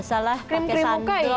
ya salah pakai santok gitu